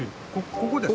ここですか？